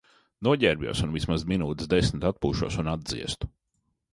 Noģērbjos un vismaz minūtes desmit atpūšos un atdziestu.